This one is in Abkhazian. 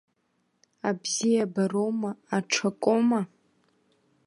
Абзиабароума, аҽакоума.